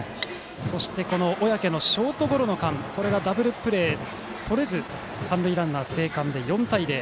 そして小宅のショートゴロの間にダブルプレーとれず三塁ランナー生還で４対０。